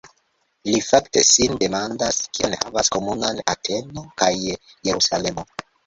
Li fakte sin demandas: "Kion havas komunan Ateno kaj Jerusalemo?